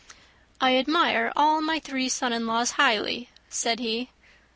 "I admire all my three sons in law highly," said he.